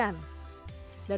dana terima kasih